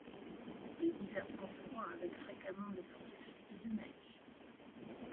Les hivers sont froids avec fréquemment de fortes chutes de neige.